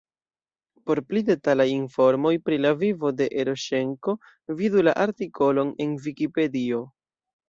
Por pli detalaj informoj pri la vivo de Eroŝenko vidu la artikolon en Vikipedio.